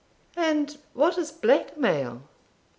'And what is black mail?'